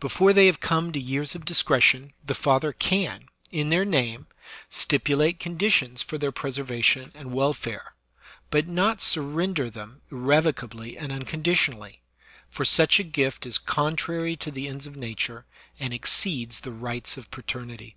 Before they have come to years of discretion, the father can, in their name, stipu late conditions for their preservation and welfare, but not surrender them irrevocably and unconditionally; for such a gift is contrary to the ends of nature, and exceeds the rights of paternity.